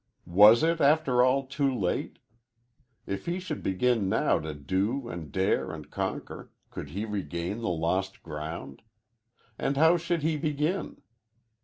Was it, after all, too late? If he should begin now to do and dare and conquer, could he regain the lost ground? And how should he begin?